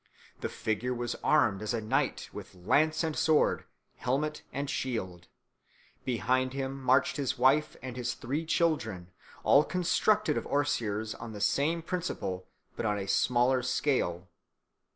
The figure was armed as a knight with lance and sword, helmet and shield. Behind him marched his wife and his three children, all constructed of osiers on the same principle, but on a smaller scale.